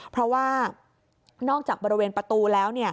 เพราะว่านอกจากบริเวณประตูแล้ว